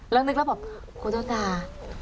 แล้วนึกแล้วบอกกลัวโดนด่า